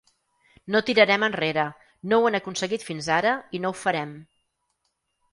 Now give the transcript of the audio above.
No tirarem enrere, no ho han aconseguit fins ara i no ho farem.